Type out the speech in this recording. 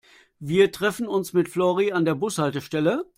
Wir treffen uns mit Flori an der Bushaltestelle.